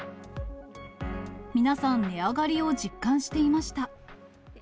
皆さん、値上がりを実感していました。